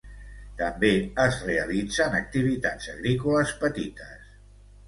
També es realitzen activitats agrícoles petites.